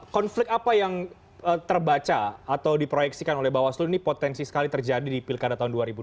konflik apa yang terbaca atau diproyeksikan oleh bawaslu ini potensi sekali terjadi di pilkada tahun dua ribu dua puluh